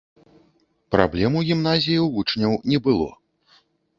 Праблем у гімназіі ў вучняў не было.